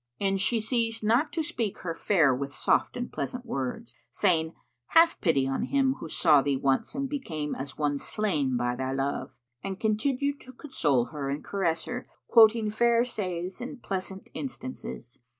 And she ceased not to speak her fair with soft and pleasant words, saying, "Have pity on him who saw thee once and became as one slain by thy love;" and continued to console her and caress her, quoting fair says and pleasant instances.